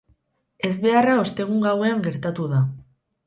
Ezbeharra ostegun gauean gertatu da.